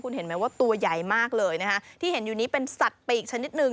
เห็นไหมว่าตัวใหญ่มากเลยนะคะที่เห็นอยู่นี้เป็นสัตว์ปีกชนิดหนึ่ง